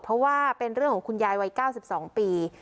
เพราะว่าเป็นเรื่องของคุณยายวัย๙๒ปี